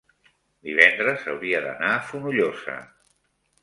divendres hauria d'anar a Fonollosa.